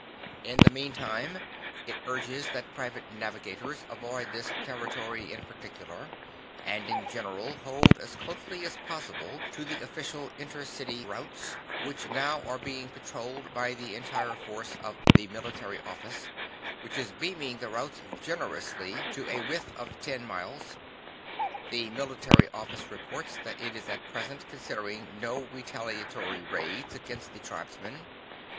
"In the meantime it urges that private navigators avoid this territory in particular, and in general hold as closely as possible to the official inter city routes, which now are being patrolled by the entire force of the Military Office, which is beaming the routes generously to a width of ten miles. The Military Office reports that it is at present considering no retaliatory raids against the tribesmen.